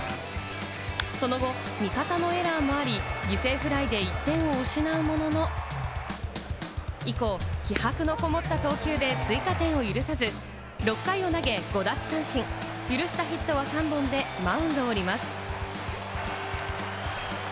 その後、味方のエラーもあり、犠牲フライで１点を失うものの、以降、気迫のこもった投球で、追加点を許さず、６回を投げ、５奪三振、許したヒットは３本でマウンドを降ります。